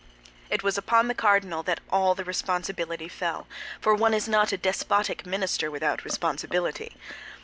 It was upon the cardinal that all the responsibility fell, for one is not a despotic minister without responsibility.